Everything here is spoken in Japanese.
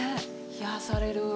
癒やされる。